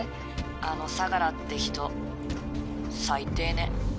あの相良って人最低ね。